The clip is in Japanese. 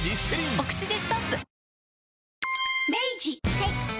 はい。